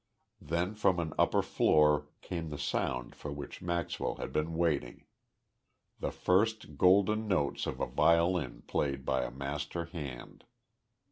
Then from an upper floor came the sound for which Maxwell had been waiting the first golden notes of a violin played by a master hand.